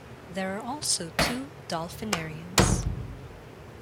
There are also two dolphinariums.